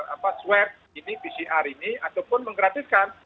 apa swab ini pcr ini ataupun menggratiskan